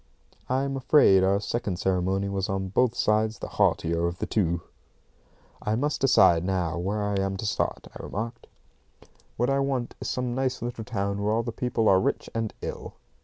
I'm afraid our second ceremony was on both sides the heartier of the two. "I must decide now where I am to start," I remarked. "What I want is some nice little town where all the people are rich and ill."